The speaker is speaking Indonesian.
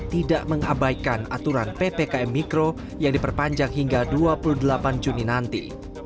tidak mengabaikan aturan ppkm mikro yang diperpanjang hingga dua puluh delapan juni nanti